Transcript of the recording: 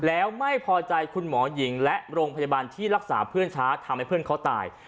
แล้วไม่พอใจคุณหมอหญิงและโรงพยาบาลที่รักษาเพื่อนช้าทำให้เพื่อนเขาตาย